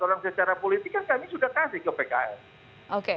orang secara politik kan kami sudah kasih ke pks